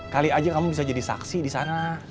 kali aja kamu bisa jadi saksi disana